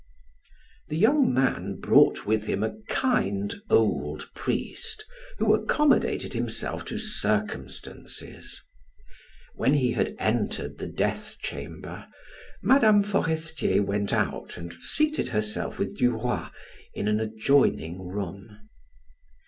The young man brought with him a kind, old priest who accommodated himself to circumstances. When he had entered the death chamber, Mme. Forestier went out and seated herself with Duroy in an adjoining room.